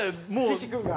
岸君が。